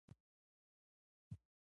مړه ته د دوعا د بند نه خلاص کړه